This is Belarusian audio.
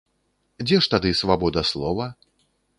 Дзе ж тады свабода слова?